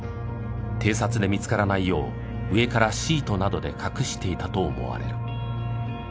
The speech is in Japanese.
偵察で見つからないよう上からシートなどで隠していたと思われる。